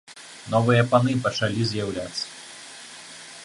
Новыя паны пачалі з'яўляцца.